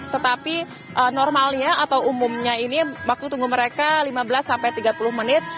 tetapi normalnya atau umumnya ini waktu tunggu mereka lima belas sampai tiga puluh menit